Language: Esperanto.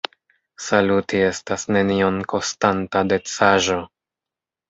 Saluti estas nenion kostanta decaĵo.